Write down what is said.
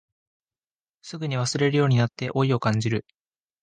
すぐに忘れるようになって老いを感じる